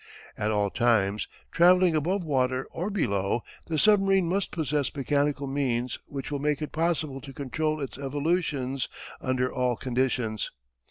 At all times, travelling above water or below, the submarine must possess mechanical means which will make it possible to control its evolutions under all conditions.